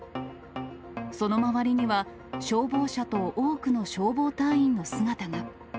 その周りには、消防車と多くの消防隊員の姿が。